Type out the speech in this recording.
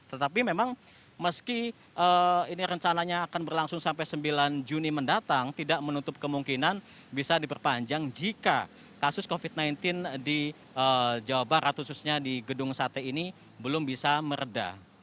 tetapi memang meski ini rencananya akan berlangsung sampai sembilan juni mendatang tidak menutup kemungkinan bisa diperpanjang jika kasus covid sembilan belas di jawa barat khususnya di gedung sate ini belum bisa meredah